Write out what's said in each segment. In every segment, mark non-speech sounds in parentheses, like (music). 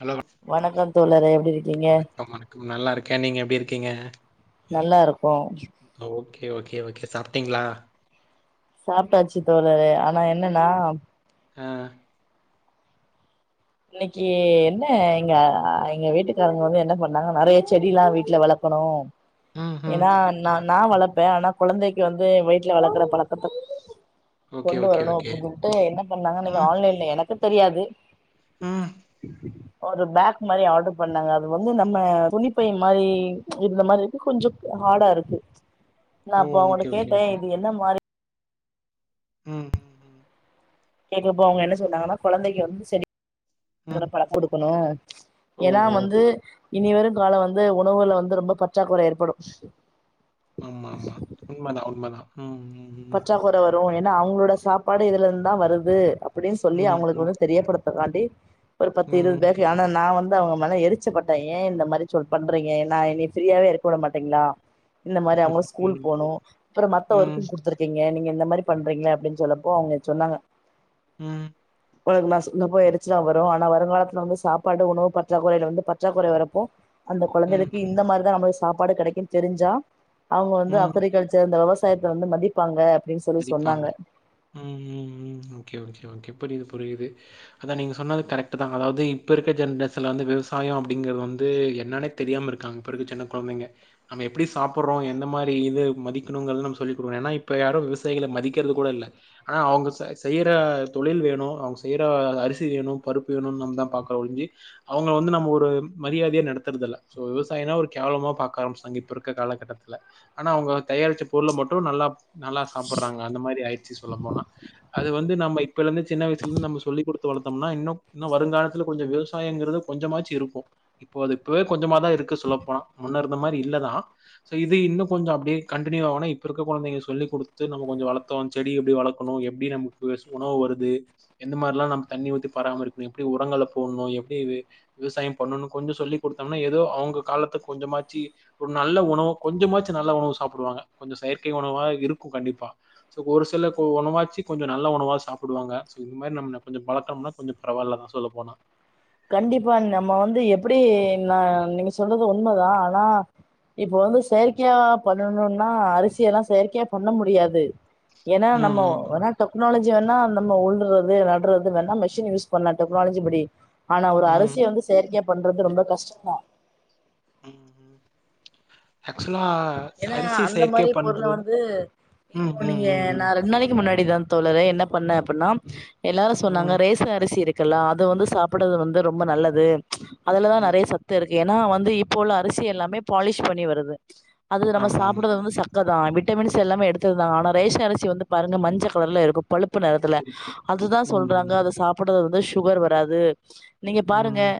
Hello வணக்கம் தோழரே எப்டி இருக்கீங்க வணக்கம் வணக்கம் நல்லா இருக்கே நீங்க எப்டி இருக் கீங்க நல்லா இருக்கோ ஓகே ஓகே ஓகே சாப்பிட்டீங்களா சாப்பிட்டாச்சு தோழரே ஆனா என்னன்னா ஆ இன்னைக்கி என்ன எங்க எங்க வீட்டுக்காரங்க வந்து என்ன பண்ணாங்க நெறைய செடி எல்லா வீட்டுல வளர் கணு ம், ம். ஏன்னா நா நா வளர்ப்பே ஆனா குழந்தைக்கு வந்து வீட்டு்ல வளக்கற பழக்கத்த ஓகே, கொண்டு ஓகே, வரணு ஓகே. அப்டின்னுட்டு என்ன பண்ணாங்க அன்னைக்கி ம், ஆன்லைன்ல எனக்கு தெரியாது ம். ஒரு பேக் மாரி ஆர்டர் பண்ணாங்க அது வந்து நம்ம துணிப்பை மாரி இந்த மாரி இருக்கு கொஞ் சோ ஹடா இருக்கு நா ஓ! அப்ப அவங்கட்ட ஓகே, ஓகே, கேட்டே ஓகே. இது என்ன மாரி ம் கேக்கு போ அவங்க என்ன சொன்னாங்கன்னா கொழந்தைக்கு வந்து செடி ம். (unintelligible) பழக் கொடுக்கணு ஓ! ஏன்னா ஓ! வந்து இனி வரும் காலம் வந்து உணவுல வந்து ரொம்ப பற்றாக்குறை ஏற்படு ஆமா ஆமா உண்மைதா உண்மைதா ம் ம், ம். பற்றகுற வரு ஏன்னா அவங்களோட சாப்பாடு இதுல இருந்து தா வருது அப்டின் சொல்லி ம், ம், அவங்களுக்கு வந்து தெரியப்படுத்தக்காண்டி ஒரு பத்து இருபது ம். பேருக்கு ஆனா நா வந் அவங்க மேன எரிச்சப்பட்ட ஏ இந்த மாரி சொல் பண்றீங்க நா என்ன ஃப்ரீயாவே இருக்க விட மாட்டிங்களா இந்த மாரி அவங்களும் ஸ்கூல் போகணு அப்பற மத்த ம், ம், ஒர்க் குடுத்துரு நீங்க இந்த மாரி பண்றீங்கள அப்டின்னு சொல்லப்போ அவங்க சொன்னாங்க ம் உங்களுக்கு நா சொல்லுறப்ப எரிச்சலா வரு ஆனா வருங்காலத்துல வந்து சாப்பாடு உணவு பற்றாக்குறையில வந்து பற்றாக்குறை வரப்போ அந்த ம், கொழந்தைளுக்கு இந்த மாதிரிதா நம்ம சாப்பாடு கிடைக்கும்ன் தெரிஞ்சா அவங்க வந்து ம். அக்ரிகல்ச்சர் இந்த விவசா யத்த வந்து மதிப்பாங்க அப்டின்னு சொல்லி மதிப்பாங்க சொன்னாங்க ம் ம் ம் ஓகே ஓகே ஓகே புரியுது புரி புரியுது அதான் நீங்க சொன்னது கரெக்ட் தா அதாவது இப்போ இருக்க ஜென்ரேஷன்ல வந்து விவசாய அப்படிங்கறது வந்து என்னனே தெரியாம இருக்காங்க இப்ப இருக்க சின்ன கொழந்தைங்க நம்ம எப்படி சாப்பிடுற எந்த மாரி இது மதிக்கணுங் சொல்லி கொடு ஏனா இப்ப யார விவசா யிகளை மதிக்கிறது கூட இல்ல ஆனா அவங்க செய்யற தொழில் வேணு அவங்க செய்யற அரிசி வேணு பருப்பு வேணு நம்ம தா பாக்குறோ ஒழிஞ்சி அவங்கள வந்து நம்ம ஒரு மரியாதயா நடத்துறதுல்ல சோ விவசாயினா ஒரு கே வலமா பாக்க ஆரம்பிச்சிட்டாங்க இப்ப இருக்க காலகட்டத்தில ஆனா அவங்க தயாரிச்ச பொருள மட்டு நல்லா நல்லா சாப்பிடுறாங்க அந்த மாரி ஆயிச்சு சொல்ல போனா அது வந்து நம்ம இப்ப இருந்து சின்ன வயசுல இருந்து நம்ம சொல்லி கொடுத் து வளத்தம்னா இன்னு இன்னு வருங்காலத்தில கொஞ்ச விவசாயங்கறது கொஞ்சமாச்சு இருக்கு இப்போ அது இப்ப கொஞ்சமா தா இருக் சொல்லப்போன முன்னர்ந்த மாரி இல்லதா சோ இது இன்னு கொஞ்ச அப்படியே கண்டினியு இப்ப இருக்கா கொழந்த சொல்லிக் கொடுத் து நம்ம கொஞ்ச வளர்த்தோ செடி எப்டி வளக்கணு எப்டி நமக்கு உணவு வருது எந்த மாரிலா எல்லா நம்ம தண்ணி ஊத்தி பராமரிப்பு எப்டி உரங்கள போடணு எப்டி விவசாய பண்ணணு கொஞ்ச சொல்லி கொடுத்தம்னா ஏதோ அவங்க காலத்த கொஞ்சமாச்சி ஒரு நல்ல உணவு கொஞ்சமாச்சி நல்ல உணவு சாப்டுவாங்க கொஞ்ச செயற்கை உணவா இருக் கண்டிப்பா ஒரு சில உணவாச்சு கொஞ்ச நல்ல உணவா சாப்டுவாங்க இந்த மாரி நம்ம கொஞ்ச பழக்கனு கொஞ்ச பரவாயில்லதா சொல்ல போனா கண்டிப்பா நம்ம வந்து எப்படி நா நீங்க சொல்றது உண்மதா ஆனா இப்ப வந்து செயற்கையா பண்ணணுனா அரிசி எல்லா செயற்கையா பண்ண முடியாது ஏன்னா நம்ம ம் ஒனா டொக்னாலஜி வேணா நம்ம உலுறது நடுறது வேணா மிஷின் யூஸ் பண்ணலா டெக்னாலஜிப்படி ஆனா ஒரு அரிசி ம் வந்து செயற்கையா பண்றது ரொம்ப கஷ்டந்தா ம் ஆக்சுவலா ஏன்னா அரிசி அந்த செயற்கைய மாரி பண்ற பொருள வந்து இப்போ நீங்க நா ரெண் நாளைக்கு முன்னாடி அப்டிதா தோழரே என்ன பண்ண அப்பன்னா ம் எல்லாரு சொன்னாங்க ம் ரேச அரிசி இருக் க்கல்ல அது வந்து சாப்பிடுறது வந்து ரொம்ப நல்லது அதுலதா நெறய ம் சத்து இருக்கு வந்து இப்போ உள்ள அரிசி எல்லாமே பாலிஷ் பண்ணி வருது அது நம்ம ஆமா ஆமா சாப்பிடது வந்து சத் த்ததா விட்டமின்ஸ் எல்லாமே எடுத்ததுதா ஆனாே ரேஷ அரிசி வந்து பாருங்க மஞ்ச கலர்ல இருக்கு பழுப் ப்பு நெறத்துல இருக்கும் அதுதா ம் சொல்றாங்க ம் அத சாப்பறது வந்து சுகர் வராது நீங்க பாருங்க ம்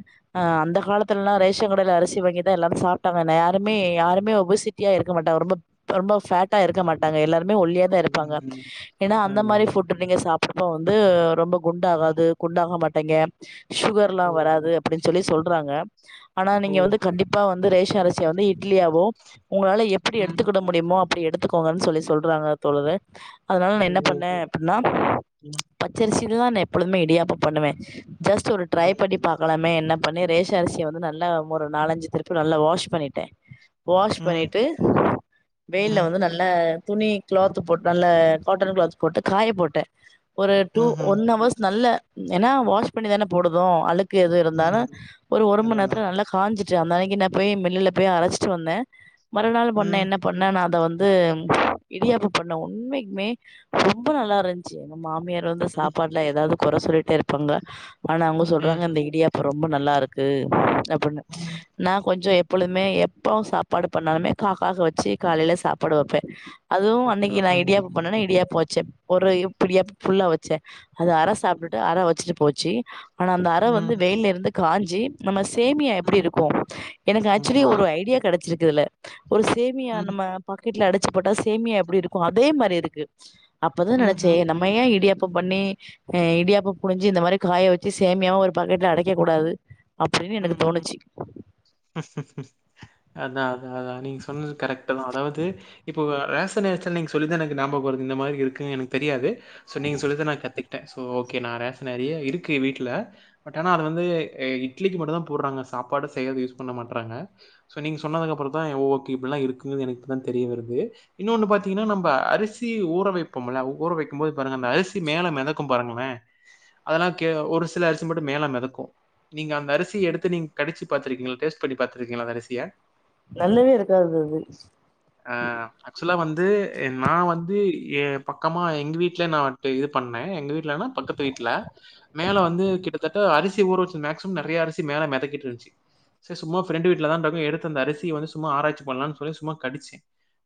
அந்த கா காலத்துலாம ரேஷன் கடைய அரிசி வாங்கிதா எல்லாரு சாப்ட்டாங்க யாருமே யார ஒபிசிட்டியா இருக்க மாட்டாங்க ரொம்ப ரொம்ப ஃபேட்டா இருக்க மாட்டாங்க எல்லாரு ஒல்லிய தா இருப்பாங்க ம் ஏன்னா அந்த ஆமா மாரி ஆமா ஃபுட் நீங்க சாப்பிடுப்ப வந்து ரொம்ப குண்டாகாது குண்டாக மாட்டேங்க சுகர் எல்லா வராது அதுதான் அப்படின் சொல்லி சொல்றாங்க ஆனா நீங்க வந்து கண்டிப்பா வந்து ரேஷ அரிசியா வந்து இட்லியாவோ உங்களால எப்படி ம் எடுத்துக்கிட முடியுமோ அப்படி எடுத்துக்கோங்கன் சொல்லி சொல்றாங்க தோழரே அதனால நான் என்ன ம் பண்ண அப்பன்னா பச்சரிசியிலதா நா எப்பொழுமே இடியாப்ப பண்ணுவே ஜஸ்ட் ஒரு ட்ரை பண்ணி பாக்கலாமே என்ன பண்ணி ரேஷ அரிசிய வந்து நல்லா ஒரு நாலஞ்சு திருப்பு நல்லா வாஷ் பண்ணிட்ட வாஷ் ம் பண்ணிட்டு வெயில்ல வந்து நல்ல துணி கிளாத் போட்டு நல்ல காட்டன் கிளாத் போட்டு காய போட்டே ஒரு டூ ஒன் அவர்ஸ் நல்ல ஏன்னா வாஷ் பண்ணி தான போடுதோ அலுக் கு எது இருந்தாலுஒரு ஒரு மண நேரத்தில நல்லா காஞ்சிட்டு அந்தானிக்கி நா போய் மில்லுல போய் அரைச்சி சி வந்த மறுநாள் பண்ண என்ன பண்ணா அத வந் ந்து இடியாப்பொ பண்ண உண்மைக்குமே ரொம்ப நல்லா இருந்ச்சு எங்க மாமியார் ரு வந்து சாப்பாடுலா எதாவது கொற சொல்லிட்டே இருப்பாங்க ஆனா அவங்க சொல்றாங்க ம் இந்த இடியாப்பொ ரொம் ம்ப நல்லாருக்கு அப்டின்னு ம் நா கொஞ்சொ எப்பொழுதுமே எப் பவு சாப்பாடு பண்ணாலுமே காக்காவுக் வச்சு காலயில சாப்பாடு வப்பே. அதுவு அன்னைக்கு வந்துருவா. நா ம் இடியாப்பொ பண்ணேனா இடியாப்பொ வச்சே. ஒரு இப் பிடியாப்போ ஃபுல்லா வச்சே அது அர சாப்புட்டுட்டு அர வச்சுட்டு போச்சு ஆனா அந்த அர வந்து ம் ம் வெயில்ல இருந்து காஞ்சு நம்ம சேமியா எப்டி ம் இருக்கு எனக்கு ஆக்சுலி ஆமாமா. ஒரு ஐ கெடச்சிருக்கு இதுல ஒரு சேமியா ம் நம்ம பாக் கெட்ல அடச்சு போட்டா சேமியா எப்டி இருக்கு அதே மாரி இருக்கு அப்பதா நெனச்சே ம்ஹ்ம், நம்ம ஏ இடியாப் ப்பம் பண்ணி அ இடியாப்போ புழிஞ்சு இந்த மாரி காய வச்சு சேமியாவா ஒரு பாக்கெட்ல அடைக்க கூடாது. அப்டினு எனக்கு ம்ஹ்ம். தோணுச்சு. அதா அதா அதா நீங்க சொன்னது கரெக்ட்தா அதாவது இப்போ ரேஷன் அரிசில நீங்க சொல்லிதா எனக்கு நாபகொ வருது நா ந்த மாரி இருக்கு எனக்கு தெரியாது சோ நீங்க சொல்லிதா நா கத்துக் ட்ட சோ ஓகே நா ரேஷன் நெறய இருக்கு வீட்ல பட் ஆனா அது வந்து இ இட் ட்லிக்கு மட்டுதா போடுறாங்க சாப்பாடு செய்யறது யூஸ் பண்ண மாட்றாங்க சோ நீங்க சொன்னதுக்கு அப்பறதா யோ ஓகே இப்டிலா இருக்கு எனக்கு ப்பதா தெரிய வருது இன்னோனு பாத்தீங்கனா நம்ப அரிசி ஊற வைப்போம்ல ஊற வைக்கும் போது பாருங்க அந்த அ அரிசி மேல மெதக்கு பாருங்களே அதெல்லா கே ஒரு சில அரிசி மட்டும் மேல மெதக்கு. நீங்க அந்த அரிசி எடுத்து நீங் கடிச்சு பாத்திருக்கீங்களா டேஸ்ட் பண்ணி பாத்திருக்கீங்களா அந்த அரிசிய நல்லவே இருக்காது அது து எ நா வந்து ஏ பக்கமா எங்க வீட்ல நா டெ இது பண்ணே எங்க வீட்லனா பக்கத்து வீட் ட்ல மேல வந்து கிட்டத்தட்ட அரிசி ஊற வச்சு மேக்சிமம் நெறைய அரிசி மேல மெதக்கிட்டு இருந்ச்சு. செர் சும்மா ஃப்ரெண்டு வீட்லதா அந்த (unintelligible) எடுத்து தந்த அரிசி வந்து சும்மா ஆராய்ச்சி பண்லானு சொல்லி சும்மா கடிச்சே.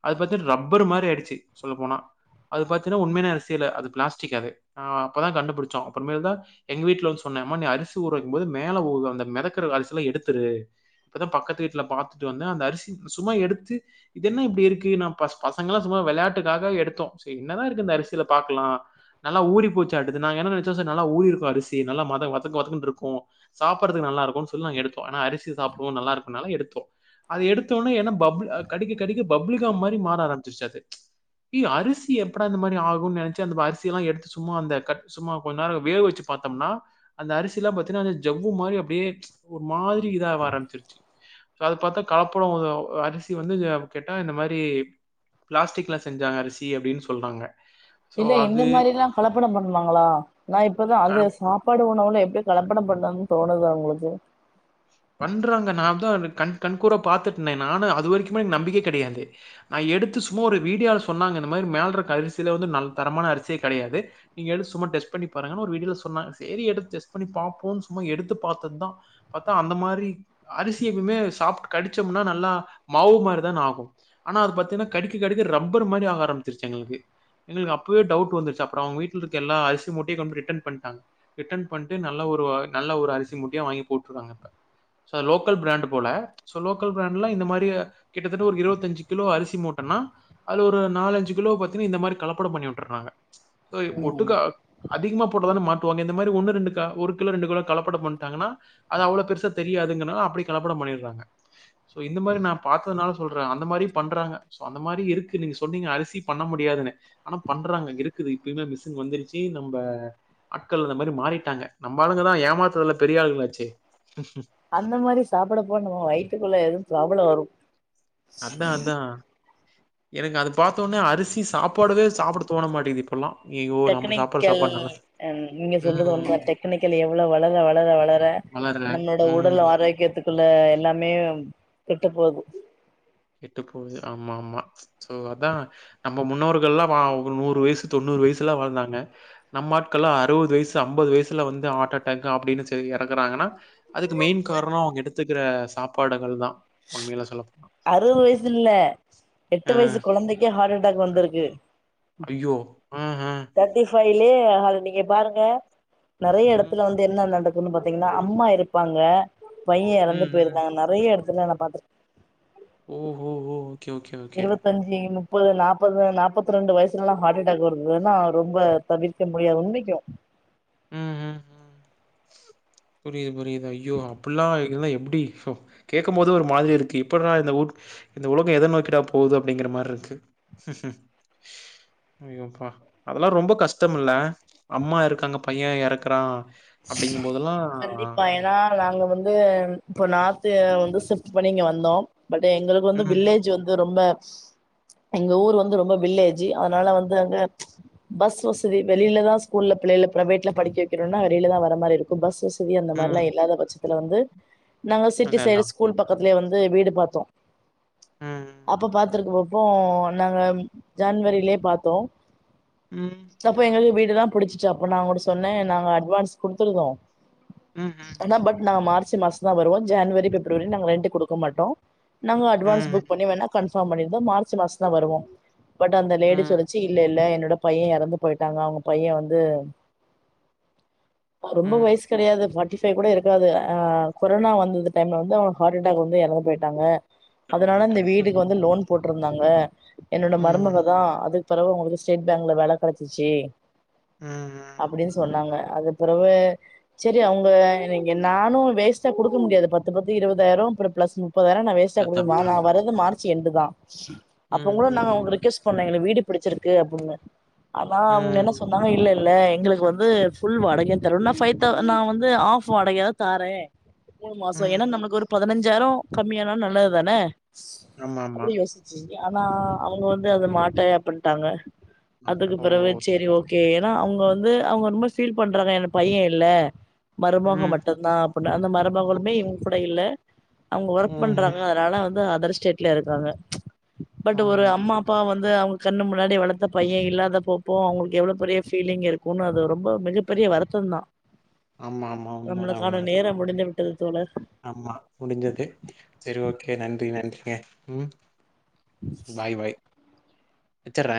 அது பாத்தின் ரப்பர் மாரி ஆயிடுச்சு சொல்ல போனா அது பாத்தினா உண்மையான அரிசி இல்ல அது பிளாஸ்டிக் அது அ அப்பதா கண்டுபுடுச்சோ அப்றோமேல்தா எங் வீட்ல வந்து சொன் இனம நீ அரிசி ஊற வைக்கும் போது மேல ஓது அந்த மெதக்குற அரிசிலா எடுத்துரு. இப்பதா பக்கத்து வீட்ல பாத்துட்டு வந்தே அந்த அரிசி சும்மா எடுத்து இது என்ன இப்டி இருக்கு நா பச பசங்கலா சும்மா சோ வெளயாட்டுக்காக எடுத்தோ செரி என்னதா இருக்கு இந்த அரிசில பாக்குலா நல்லா ஊரிபோச்சு அடுத்து நா என்ன நெனச்சே ச நல்லா ஊரிருக்கு அரிசி நல்லா மத வதக் வதக்ன்ட்ருக் போவோ சாப்டறதுக்கு நல்லா இருக்குன் சொல்லி நாங்க எடுத்தோ ஆனா அரிசி சாப்டுவோ நல்லா இருக்குனால எடுத்தோ அது எடுத்தோனே ஏனா பப்ளி அ கடிக்க கடிக்க பப்ளிகா மாரி மாற ஆரம்பிச்சிருச்சு அது இ அரிசி எப்படா இந்த மாரி ஆகுனு நெனச்சு அந்த ப அரிசிலா எடுத்து சும்மா அந்த கத் சும்மா கொஞ் நேரோ வேக வச்சு பாத்தம்னா அந்த அரிசிலா பாத் ஏனா அது ஜவ்வு மாரி அப்டியே ஒரு மாரி இதாவ ஆரம்பிச்சிருச்சு. சோ அத பாத்தா கலப்படோ ஒதோ ஒ அரிசி வந்து எ கேட்டா இந்த மாரி பிளாஸ்டிக்ல செஞ்சாங்க அரிசி அப்டினு சொல்றாங்க. ஸோ, இல்ல இந்த அது மாரிலா கலப்படம் பண்ணுவாங்களா நா இப்பதா க அந்த சாப்பாடு ஒ ன்ன கூடே எப்டி கலப்படம் பண்ணாங்கனு தோணது அவங்களுக்கு பண்றாங்க நா ந்தா அன்று கண் கண்கூறா பாத்துட்டனே நானு அது வரைக்குமே எனக் நம்பிக்க கெடையாது அ எடுத்து சும்மா ஒரு வீடியால சொன்னாங்க இந்த மாரி மேல்றக்க அரிசியில வந்து நல் தரமான அரிசியே கெடயாது நீங்க எடுத் சும்மா டெஸ்ட் பண்ணி பாருங்கனு ஒரு வீடியோல சொன்னாங்க சேரி எடுத்து டெஸ்ட் பண்ணி பாப்போன் சும்மா எடுத்து பாத்ததா பாத் தா அந்த மாரி அரிசிய எப்பவுமே சாப்ட்டு கடிச்சோம்னா நல்லா மாவு மாரி தான ஆகு ஆனா பாத்தீங்கனா கடிக்க கடிக்க ரப்பர் மாரி ஆக ஆரம்பிச்சிருச்சு எங்களுக்கு எங்களுக்கு அப்பவே டவுட் வந்துருச்சு அப்றோ அவங்க வீட்ல இருக்க எல்லா அரிசி மூட்டையு ரிட்டன் பண்டாங்க ரிட்டன் பண்ட்டு நல்ல ஒ ஒரு வாய் நல்ல ஒரு அரிசி மூட்டயா வாங்கி போட்ருக்காங்க ப்ப சோ லோக்கல் பிராண்ட் போல சோ லோக்கல் பிராண்ட்ல இந்த மாரி கிட்டத்தட்ட ஒரு இருவத்தஞ்சு கிலோ அரிசி மூட்டனா அதுல ஒரு நாலஞ்சு கிலோ பாத்தீங்ன்னா இந்த மாரி கலப்படம் பண்ணிவுட்டறாங்க. அய் ஒட்டுக்கா அதிகமா போட்டதானே மாட்டுவாங்க இந்த மாரி ஒன்னு ரெண்டு க ஒரு கிலோ ரெண்டு கிலோ கலப்படம் பண்ட்டாங்கனா அது அவ்ளோ பெருசா தெரியாதுங்கறனால அப்டி கலப்படம் பண்ணியடுறாங்க. சோ இந்த மாரி நா பாத்ததுனால சொல்றே அந்த மாரி பண்றாங்க சோ அந்த மாரி இருக்கு நீங்க சொன்னீங்க அரிசி பண்ண முடியா ஆனா பண்றாங்க இருக்குது இப்பவுமே மிஷின் வந்துருச்சு நம்ம ஆட்கள் அந்த மாரி மாறிட்டாங்க நம்ம ஆளுங்கதா ஏமாத்துறதுல பெரிய ஆளுங்காலாச்சே அந்த மாரி சாப்ரப்போ நம்ம வயித்துக்குள்ள எதுவு பிராப்ளம் வரும் அதா அதா எனக்கு அது பாத்ஓடனே அரிசி சாப்பாடவே சாப்ட தோண மாட்டேது இப்பெல்லா டெக்னிக்கல் நீங்க சொல்றது ம். ஒண்ணு டெக்னிக்கல் எவ்ளோ வளர வளர வளர வளரல. நம்மளோட ம். உடல் ஆரோக்கியத்துக்குள்ள எல்லாமே கெட்டு போது கெட்டு போகுது ஆமா ஆமா சோ அதான் நம்ம முன்னோர்க்கு ல்ல நூறு வயசு தொண்ணூறு வயசுல்லா வாழ்ந்தாங்க நம்ம ஆட்கள்லா அறுபது வயசு ஐம்பது வயசுல வந்து ஹார்ட் அட்டாக் அப்படின்னு இறக்குறாங்கன்னா அதுக்கு மெயின் காரண அவங்க எடுத்துக்கிற சாப்பாடுகள் தா உண்மையில சொல்லப்போண அறுபது வயசு இல்ல எட்டு வயசு குழந்தைக்கே ஹார்ட் அட்டாக் வந்திருக்கு அயோ ம் ம் மொபைல்லயே அத நீங்க பாருங்க நிறைய ம். இடத்துல வந்து என்ன நடக் ஒன்னு பாத்தீங்கன்னா அம்மா இருப்பாங்க பையன் இறந்து ம். ம். போயிருக்காங்க நிறைய இடத்துல நா பாத்திருக்கே ஓ ஓ ஓ இருபத்தஞ்சு முப் முப்பது நாற்பது நற்பதுரெண்டு வயசுலலாம் ஹார்ட் அட்டாக் வருதுன்னா ரொம்ப தவிர்க்க முடியாது உண்மைக்கு ம் ம் புரிது புரிது ஐயோ அப்படில்லா இது எப்படி கேட்கு போது ஒரு மாதிரி இருக்கு எப்பர இந்த இந்த உலகம் எதை நோக்கிடா போகுது அப்படிங்கிற மாதிரி இருக்கு (inaudible) ஐப்பா அதெல்லா ரொம்ப கஷ்டம் இல்ல அம்மா இருக்காங்க பையன் இறக்குறா கண்டிப்பா ஏன்னா நாங்க வந்து இப்போ நா வந்து சிப்ட் பண்ணி இங்க வந்தோம் பட் எங்களுக்கு வந்து ம், வில்லேஜ் வந்து ரொம்ப எங்க ஊர் வந்து ரொம்ப வில்லேஜ் அதனால வந்து அங்க பஸ் வசதி வெளியிலதா ஸ்கூல்ல பிள்ளை பிரைவேட்ல படிக்க வைக்கிறும்னா தா வர மாதிரி இருக்கு பஸ் வசதி அந்த மாதிரிலா ம். இல்லாத பட்சத்தில வந்து நாங்க சிட்டி அதான், சைடு அதான். ஸ்கூல் பக்கத்தில வந்து வீடு பாத்தோ ம், அப்ப பார்த்துருக்க போப்போ நாங்க ஜான்வரியிலயே பாத்தோ ம், அப்ப எங்களுக்கு வீடு எல்லா புடிச்சுட்டு அப்ப நான் கூட சொன்னே நாங்க அட்வான்ஸ் குடுத்துருதோ ம்ஹ்ம், ஆன பட் நாங்க மார்ச்சு மாசம் தா வருவோ ஜனவரி பிப்ரவரி நாங்க ரெண்டு கொடுக்க மாட்டோ நாங்க அட்வான்ஸ் ம், புக் பண்ணி வேணா கன்பார்ம் பண்ணியிருந்ததோ மார்ச் மாசம் தான் வருவோ பட் அந்த லேடி ம், சொல்லுசு இல்ல இல்ல என்னோட பையன் இறந்து போயிட்டாங்க அவங்க பையன் வந்து ரொம்ப ம். வயசு கிடையாது பர்ட்டி கூட இருக்காது கொரோனா வந்தது டைம்ல வந்து அவங்க ஹார்ட் அட்டாக் வந்து இறந்து போயிட்டாங்க இறந்து அதனால இந்த போயிட்டாங்க. வீட்டுக்கு வந்து ம், லோன் போட்டிருந்தாங்க என்னோட ம், மருமகதா அது அவாங்களுக்கு ஸ்டேட் பேங்க்ல வேலை கிடைச்சிச்சு ம், ம். அப்படின்னு சொன்னாங்க அது பிறவு சரி அவங்க நீங்க நானும் வேஸ்ட்டா கொடுக்க முடியாது பத்து பத்து இருபதாயிரம் அப்புற பிளஸ் முப்பதாயிரம் வேஸ்ட் அஹ் அதான், குடுக்கணுமா அதான், நான் அதான். வரது மார்ச் என்டு தா அப்ப ம், கூட நா ம், ரெக்குஸ்ட் பண்ணனே எனக்கு வீடு பிடிச்சிருக்கு அப்ப அவங்க ம், என்ன ம், சொன்னாங்க இல்ல இல்ல எங்களுக்கு வந்து புல் வாடகை எண்ட பைவ் நான் வந்து ஆப் வாடக தான் தரே மூணு மாச ஏன்னா ம். நமக்கு ஒரு பதிஞ்சு ஐய்யாயிரம் கம்மியான நல்லது தானே ஆமாமா. அப்படி யோசிச்சு ஆனா அவங்க வந்து அதது மாட்டே அப்டினிட்டாங்கா மாட்டேன். அதுக்கு ஓ! பிறகு சரி ஓகே ஏன்னா அவங்க வந்து அவங்க ரொம்ப பில் பண்ற என் பைய இல்ல மருமக ம். மட்டும்தா அப்படின அந்த ஓ! மருமகளுமே இவங்க கூட இல்ல அவங்க ம், ஒர்க் ம், பண்றாங்க ம். அதனால வந்து அதர் ஸ்டேட்ல இருக்காங்க பட் ஒரு அம்மா ம். அப்பா வந்து அவங்க கண்ணு முன்னாடி வளத்த பையன் இல்லாத போப்போ அவுங்களுக்கு எவ்ளோ பெரிய ஃபீலிங் இருக்கூன்னு அது ரொம்ப பெரிய வருத்தோ தான் ஆமா, ஆமா. உண்மதான், நம்மளுக்கான உண்மதான். நேரம் முடிந்து விட்டது தோழர் ஆமா முடிஞ்சுர்கு சரி ஓகே நன்றி நன்றிங்க ம் பாய் பாய் வச்சற